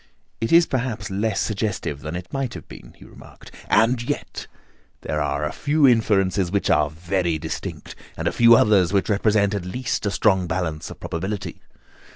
"It is perhaps less suggestive than it might have been," he remarked, "and yet there are a few inferences which are very distinct, and a few others which represent at least a strong balance of probability.